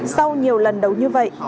sau nhiều lần đấu như vậy thúy tuyên bố